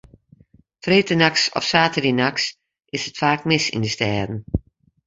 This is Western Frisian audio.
Freedtenachts of saterdeitenachts is it faak mis yn de stêden.